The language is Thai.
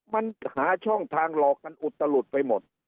มันหาช่องทางหลอกกันอุตลุดไปหมด